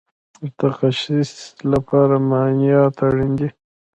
د تشخیص لپاره معاینات اړین دي